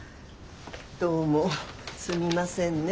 どうもすみませんね。